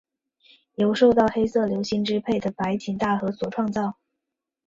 由受到黑色流星支配的白井大和所创造。